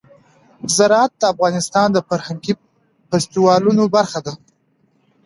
زراعت د افغانستان د فرهنګي فستیوالونو برخه ده.